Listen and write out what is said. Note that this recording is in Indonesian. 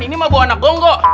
ini mah buah anak gongo